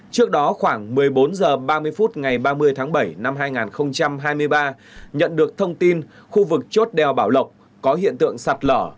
trước đó khoảng một mươi bốn h ba mươi phút ngày ba mươi tháng bảy năm hai nghìn hai mươi ba nhận được thông tin khu vực chốt đèo bảo lộc có hiện tượng sạt lở